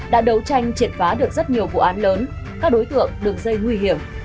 đã đấu tranh triệt phá được rất nhiều vụ án lớn các đối tượng đường dây nguy hiểm